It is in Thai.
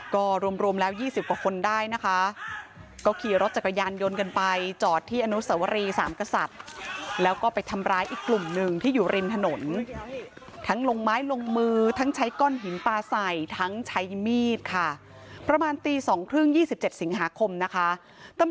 ก็รวมรวมแล้ว๒๐กว่าคนได้นะคะก็ขี่รถจักรยานยนต์กันไปจอดที่อนุสวรีสามกษัตริย์แล้วก็ไปทำร้ายอีกกลุ่มหนึ่งที่อยู่ริมถนนทั้งลงไม้ลงมือทั้งใช้ก้อนหินปลาใส่ทั้งใช้มีดค่ะประมาณตีสองครึ่ง๒๗สิงหาคมนะคะตำ